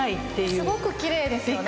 すごくきれいですよね。